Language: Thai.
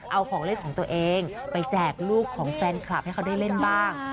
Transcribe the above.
เอาของเล่นของตัวเองไปแจกลูกของแฟนคลับให้เขาได้เล่นบ้าง